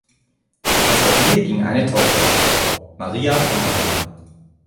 Aus der Ehe ging eine Tochter hervor: Maria Amalia.